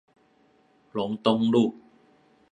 龍東路